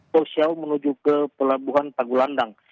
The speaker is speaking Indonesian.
togshau menuju ke pelabuhan tagulandang